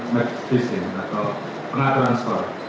max decent atau pengaturan skor